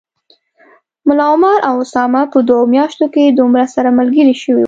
ملا عمر او اسامه په دوو میاشتو کي دومره سره ملګري شوي و